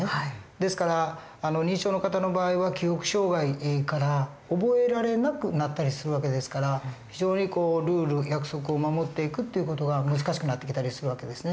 ですから認知症の方の場合は記憶障害から覚えられなくなったりする訳ですから非常にルール約束を守っていくっていう事が難しくなってきたりする訳ですね。